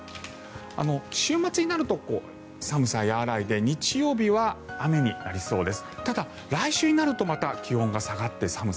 週末になると寒さ、和らいで日曜日は雨になりそうです。